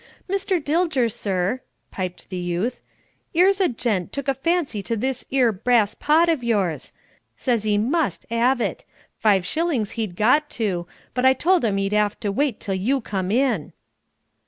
"Mr. Dilger, sir," piped the youth, "'ere's a gent took a fancy to this 'ere brass pot o' yours. Says he must 'ave it. Five shillings he'd got to, but I told him he'd 'ave to wait till you come in."